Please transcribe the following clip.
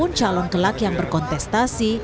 siapapun calon kelak yang berkontestasi